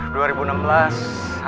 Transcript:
adalah hari yang terburuk dalam hidup gue